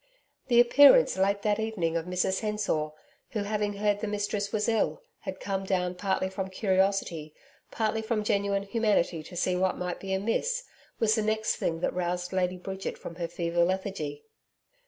The appearance late that evening of Mrs Hensor, who having heard the mistress was ill, had come down partly from curiosity, partly from genuine humanity to see what might be amiss, was the next thing that roused Lady Bridget from her fever lethargy.